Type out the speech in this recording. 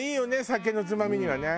酒のつまみにはね。